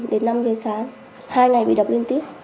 đến năm giờ sáng hai ngày bị đập liên tiếp